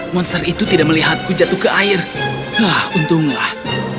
monster itu tidak melihatku jatuh ke air nah untunglah